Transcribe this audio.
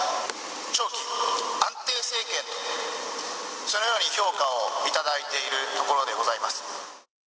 長期安定政権と、そのように評価をいただいているところでございます。